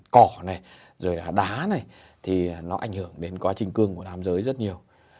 cỏ này rồi là đá này thì nó ảnh hưởng đến quá trình cương của nam giới rất nhiều